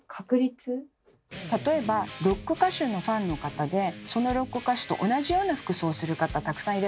例えばロック歌手のファンの方でそのロック歌手と同じような服装をする方たくさんいらっしゃいますよね。